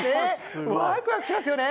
ワクワクしますよね。